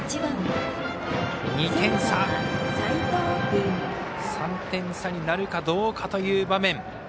２点差３点差になるかどうかという場面。